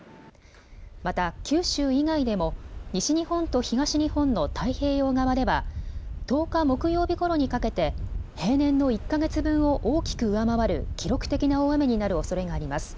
また九州以外でも西日本と東日本の太平洋側では１０日、木曜日ごろにかけて平年の１か月分を大きく上回る記録的な大雨になるおそれがあります。